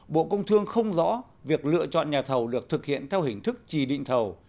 bộ công thương không rõ việc lựa chọn nhà thầu được thực hiện theo hình thức trì định thầu